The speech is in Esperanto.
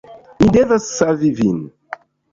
Mi devas savi vin